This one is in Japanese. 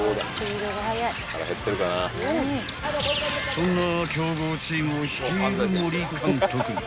［そんな強豪チームを率いる森監督］